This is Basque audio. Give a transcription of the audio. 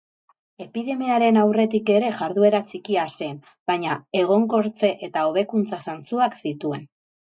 Epidemiaren aurretik ere jarduera txikia zen, baina egonkortze eta hobekuntza zantzuak zituen.